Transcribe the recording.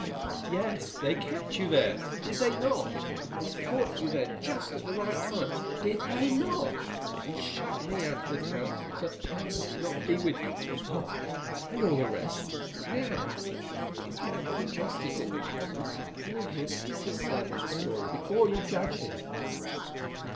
"Yes, they kept you there—did they not?—and brought you there just at the right time—did they not?—and shut me out of the tower so that I might not be with you—oh! and all the rest. Now, if you have any justice in you, Cousin, you will hear Peter's side of this story before you judge him."